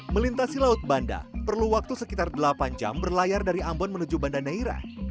melintasi laut banda perlu waktu sekitar delapan jam berlayar dari ambon menuju banda neira